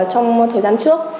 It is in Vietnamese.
trong thời gian trước